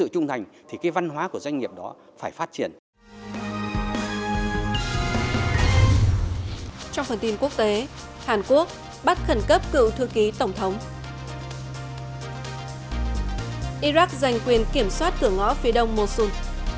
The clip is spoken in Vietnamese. tổng thống hàn quốc bắt khẩn cấp cửa ngõ phía đông mosul